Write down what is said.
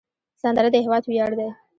سندره د هیواد ویاړ دی